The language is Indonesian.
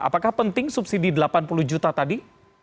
apakah penting subsidi delapan puluh juta tadi